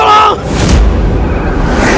jangan bunuh saya